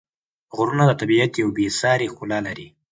غرونه د طبیعت یوه بېساري ښکلا لري.